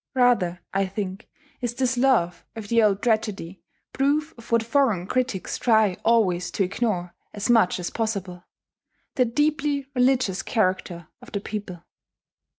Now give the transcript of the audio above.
Rather, I think, is this love of the old tragedy proof of what foreign critics try always to ignore as much as possible, the deeply religious character of the people.